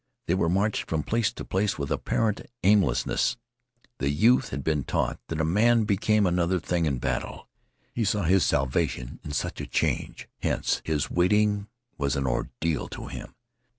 They were marched from place to place with apparent aimlessness. The youth had been taught that a man became another thing in a battle. He saw his salvation in such a change. Hence this waiting was an ordeal to him.